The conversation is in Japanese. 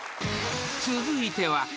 ［続いては。